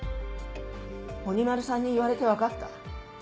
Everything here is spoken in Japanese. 鬼丸さんに言われて分かった。